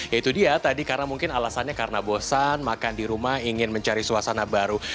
ya itu dia tadi karena mungkin alasannya karena bosan makan di rumah ingin mencari suasana baru